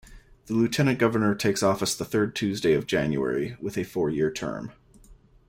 The Lieutenant Governor takes office the third Tuesday of January with a four-year term.